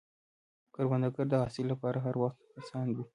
کروندګر د حاصل له پاره هر وخت هڅاند وي